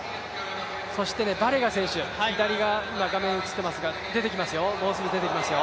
そしてバレガ選手、もうすぐ出てきますよ。